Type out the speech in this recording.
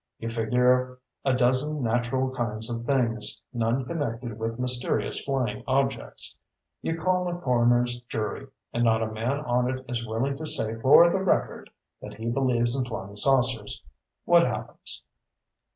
You figure a dozen natural kinds of things, none connected with mysterious flying objects. You call a coroner's jury, and not a man on it is willing to say for the record that he believes in flying saucers. What happens?"